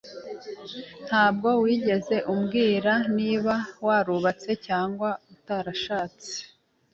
Ntabwo wigeze umbwira niba warubatse cyangwa utarashatse.